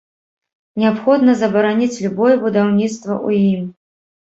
Неабходна забараніць любое будаўніцтва ў ім.